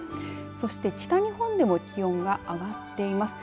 そして北日本でも気温が上がっています。